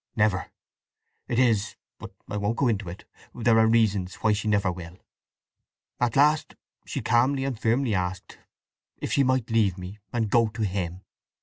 "Never! It is—but I won't go into it—there are reasons why she never will. At last she calmly and firmly asked if she might leave me and go to him.